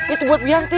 itu buat wianti